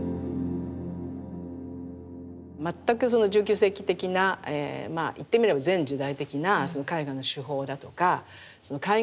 全くその１９世紀的なまあ言ってみれば前時代的な絵画の手法だとか絵画的な構成